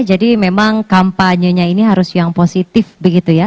jadi memang kampanye nya ini harus yang positif begitu ya